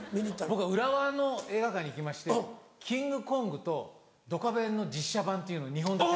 僕は浦和の映画館に行きまして『キングコング』と『ドカベン』の実写版っていうの２本立て。